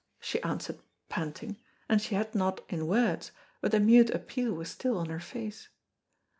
she answered, panting, and she had not in words, but the mute appeal was still on her face.